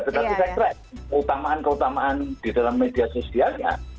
tetapi saya kira keutamaan keutamaan di dalam media sosial ya